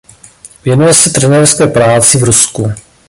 Věnuje se trenérské práci v Rusku.